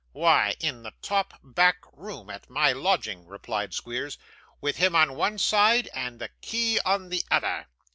'Why, in the top back room, at my lodging,' replied Squeers, 'with him on one side, and the key on the other.